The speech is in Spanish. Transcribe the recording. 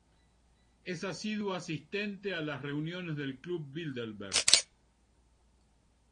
Es asiduo asistente a las reuniones del Club Bilderberg.